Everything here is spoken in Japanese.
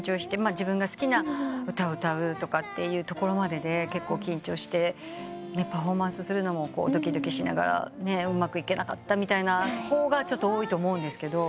自分が好きな歌を歌うってところまでで結構緊張してパフォーマンスするのもドキドキしながらうまくいけなかったみたいな方が多いと思うんですけど。